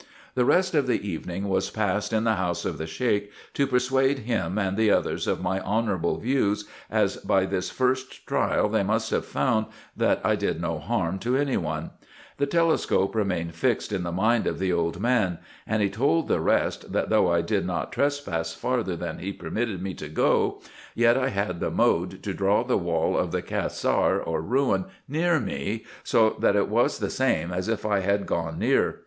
The rest of the evening was passed in the house of the Sheik, to persuade him and the others of my honourable views, as by this first trial they must have found that I did no harm to any one. The telescope remained fixed in the mind of the old man ; and he told the rest, that though I did not trespass farther than he permitted me to go, yet I had the mode to draw the wall of the Cassar, or ruin, near me, so 3h 2 420 RESEARCHES AND OPERATIONS that it was the same as if I had gone near.